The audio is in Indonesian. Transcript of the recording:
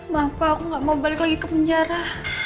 maaf aku gak mau balik lagi ke penjara